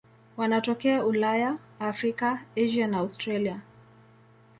Wanatokea Ulaya, Afrika, Asia na Australia.